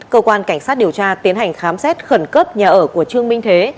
cơ quan cảnh sát điều tra tiến hành khám xét khẩn cấp nhà ở của trương minh thế